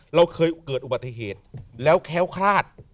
เราเคยเกิดอุบัติเหตุแล้วแค้วคลาด